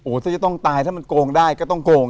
ถ้าจะต้องตายถ้ามันโกงได้ก็ต้องโกง